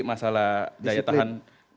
masalah daya tahan